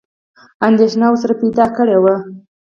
انېدښنه ورسره پیدا کړې وه.